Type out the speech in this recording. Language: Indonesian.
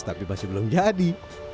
tapi masih belum jadi